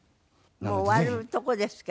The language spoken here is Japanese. もう終わるとこですけども。